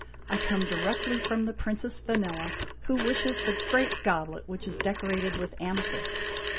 I come directly from the Princess Vanella, who wishes the great goblet which is decorated with amethysts.